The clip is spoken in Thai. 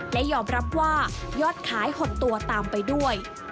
และยอมรับว่ายอดขายหดตัวตามไปด้วย